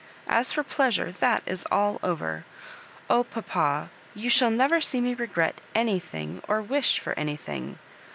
As for pleasure, that is all over. Oh, paoa, you shall never see me regret anything, or wish for anything.